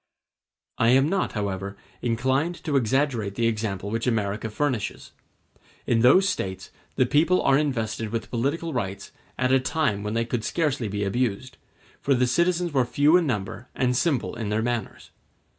I am not, however, inclined to exaggerate the example which America furnishes. In those States the people are invested with political rights at a time when they could scarcely be abused, for the citizens were few in number and simple in their manners.